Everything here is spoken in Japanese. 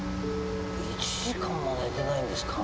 １時間も寝てないんですか？